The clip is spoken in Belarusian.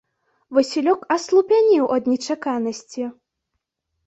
Васілёк аслупянеў ад нечаканасці.